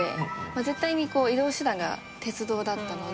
絶対に移動手段が鉄道だったので。